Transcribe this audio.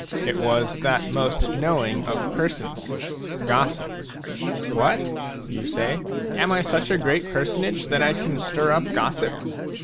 It was that most knowing of persons, — gossip. a What/' you say, "am I such a great personage that I can stir up gossip?"